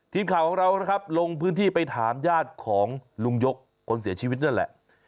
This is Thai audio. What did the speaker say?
ทีมข่าวของเรานะครับลงพื้นที่ไปถามญาติของลุงยกคนเสียชีวิตนั่นแหละ